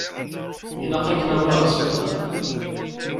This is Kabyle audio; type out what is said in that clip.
Ilaq ad k-nawi ɣer sbiṭar.